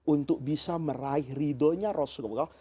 untuk bisa meraih ridhonya rasulullah